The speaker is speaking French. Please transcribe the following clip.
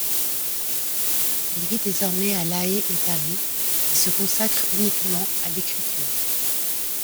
Elle vit désormais à La Haye et Paris et se consacre uniquement à l'écriture.